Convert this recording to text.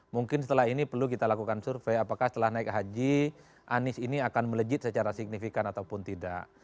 mungkin setelah ini perlu kita lakukan survei apakah setelah naik haji anies ini akan melejit secara signifikan ataupun tidak